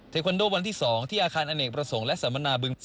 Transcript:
เทควันโดวันที่๒ที่อาคารอเนกประสงค์และสมนาบึงประเภท